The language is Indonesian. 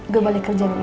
gue balik kerja dulu